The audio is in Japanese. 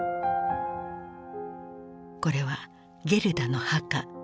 これはゲルダの墓。